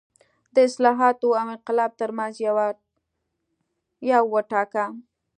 د اصلاحاتو او انقلاب ترمنځ یو وټاکه.